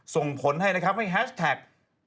ส่งผลให้นะครับให้แฮชแท็ก